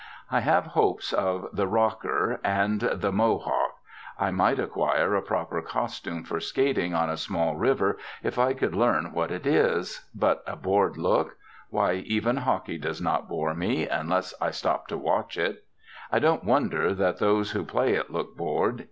I have hopes of the "rocker" and the "mohawk"; I might acquire a proper costume for skating on a small river if I could learn what it is; but a bored look why, even hockey does not bore me, unless I stop to watch it. I don't wonder that those who play it look bored.